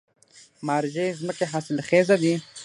مارجې ځمکې حاصلخیزه دي؟